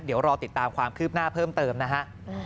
เดี๋ยวรอติดตามความคืบหน้าเพิ่มเติมนะฮะ